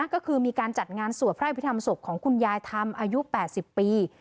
ก็คือมีการจัดงานสวดพระอภิษฐรรมศพของคุณยายธรรมอายุ๘๐ปี